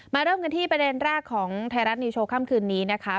เริ่มกันที่ประเด็นแรกของไทยรัฐนิวโชว์ค่ำคืนนี้นะคะ